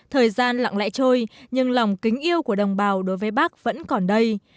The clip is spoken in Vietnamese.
thời gian lặng lẽ trôi nhưng lòng kính yêu của đồng bào đối với bác vẫn còn đây